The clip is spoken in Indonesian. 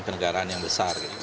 kenegaraan yang besar